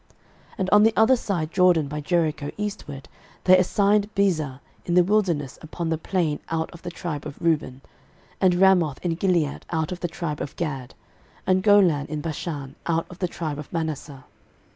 06:020:008 And on the other side Jordan by Jericho eastward, they assigned Bezer in the wilderness upon the plain out of the tribe of Reuben, and Ramoth in Gilead out of the tribe of Gad, and Golan in Bashan out of the tribe of Manasseh.